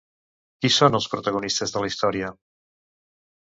Qui són els protagonistes de la història?